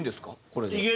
これで。